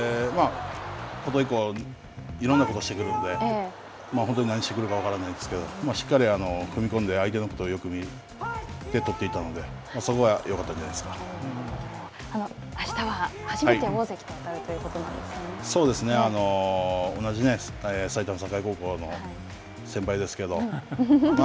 琴恵光、いろんなことをしてくるんで本当に何してくるか分からないんですけど、しっかり踏み込んで相手のことをよく見て取っていったので、そこがよかったんじゃなあしたは初めて大関と当たると同じ埼玉栄高校の先輩ですけどま